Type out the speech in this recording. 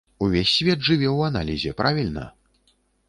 Увесь свет жыве ў аналізе, правільна?